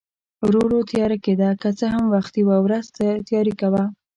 ورو ورو تیاره کېده، که څه هم وختي و، ورځ تاریکه وه.